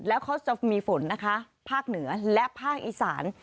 แล้วเขาจะมีฝนนะคะภาคเหนือและภาคอีสาน